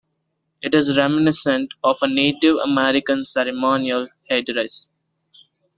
It is reminiscent of a Native American ceremonial headdress.